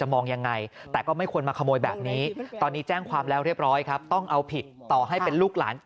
มาขโมยแบบนี้ตอนนี้แจ้งความแล้วเรียบร้อยครับต้องเอาผิดต่อให้เป็นลูกหลาน